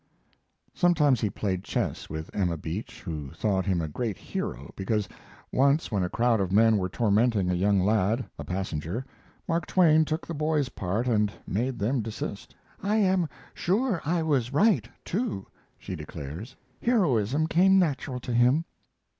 Sometimes he played chess with Emma Beach, who thought him a great hero because, once when a crowd of men were tormenting a young lad, a passenger, Mark Twain took the boy's part and made them desist. "I am sure I was right, too," she declares; "heroism came natural to him."